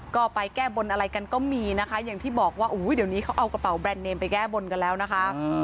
ก็ไปแก้บนอะไรกันก็มีนะคะอย่างที่บอกว่าเดี๋ยวนี้เขาเอากระเป๋าแบรนดเนมไปแก้บนกันแล้วนะคะ